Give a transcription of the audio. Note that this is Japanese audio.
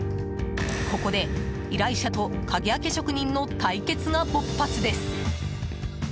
ここで、依頼者と鍵開け職人の対決が勃発です。